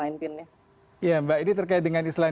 iya mbak ini terkait dengan istilah